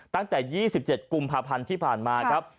ตั้งแต่๒๗กุมภาพันธ์ที่ผ่านมาครับ